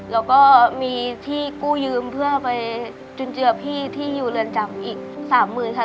แล้วก็มีที่กู้ยืมเพื่อไปจุนเจือพี่ที่อยู่เรือนจำอีก๓๐๐๐ค่ะ